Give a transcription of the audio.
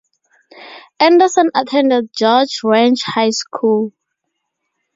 Anderson attended George Ranch High School.